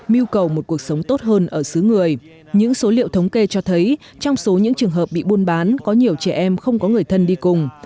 mưu cầu một cuộc sống tốt hơn ở xứ người những số liệu thống kê cho thấy trong số những trường hợp bị buôn bán có nhiều trẻ em không có người thân đi cùng